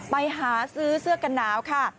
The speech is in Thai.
ไปหาซื้อเสื้อกันหนาวค่ะ